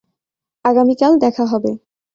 আগামীকাল দেখা হবে।